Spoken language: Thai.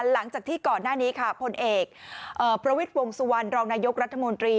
หลังจากที่ก่อนหน้านี้ค่ะพลเอกประวิทย์วงสุวรรณรองนายกรัฐมนตรี